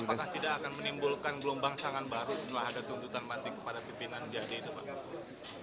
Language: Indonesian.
apakah tidak akan menimbulkan gelombang serangan baru setelah ada tuntutan mati kepada pimpinan jahat di depan